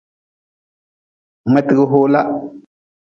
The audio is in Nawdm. Mngetgi hoola.